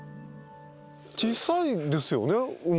小さいですよね馬。